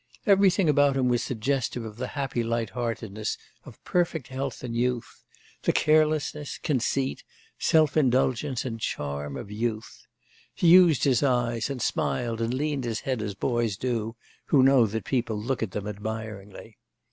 Everything about him was suggestive of the happy light heartedness of perfect health and youth the carelessness, conceit, self indulgence, and charm of youth. He used his eyes, and smiled and leaned his head as boys do who know that people look at them admiringly.